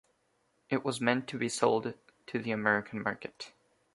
It was meant to be sold to the American market.